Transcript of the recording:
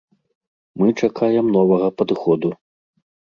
Мы чакаем новага падыходу.